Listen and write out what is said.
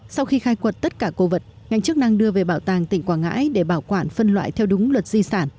sau khi khai quật tất cả cổ vật ngành chức năng đưa về bảo tàng tỉnh quảng ngãi để bảo quản phân loại theo đúng luật di sản